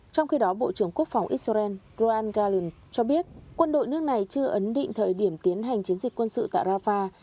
trong khi đó bộ trưởng quốc phòng israel rohan galin cho biết quân đội nước này chưa ấn định thời điểm tiến hành chiến dịch quân sự tại arafat